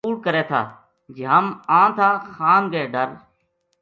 کُوڑ کرے تھا جے ہم آں تھا خان کے ڈر